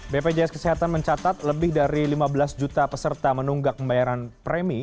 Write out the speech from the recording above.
bpjs kesehatan mencatat lebih dari lima belas juta peserta menunggak pembayaran premi